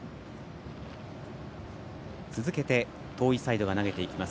続けて遠いサイドが投げます。